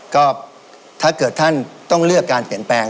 ก็ถ้าเกิดท่านต้องเลือกการเปลี่ยนแปลง